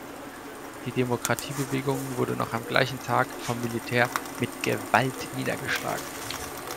Die Demokratiebewegung wurde noch am gleichen Tag vom Militär mit Gewalt niedergeschlagen.